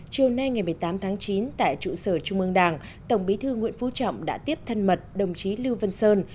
chiều nay ngày một mươi tám tháng chín tại trụ sở trung mương đảng tổng bí thư nguyễn phú trọng đã tiếp thân mật đồng chí lưu văn sơn